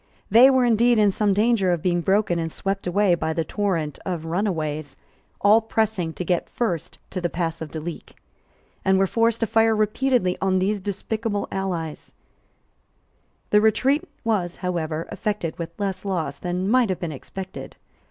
They were indeed in some danger of being broken and swept away by the torrent of runaways, all pressing to get first to the pass of Duleek, and were forced to fire repeatedly on these despicable allies, The retreat was, however, effected with less loss than might have been expected.